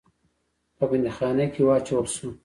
په بندیخانه کې واچول سو.